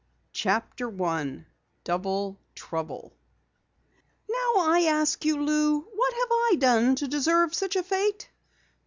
200 CHAPTER 1 DOUBLE TROUBLE "Now I ask you, Lou, what have I done to deserve such a fate?"